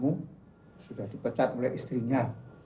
sudah dipecat oleh istrinya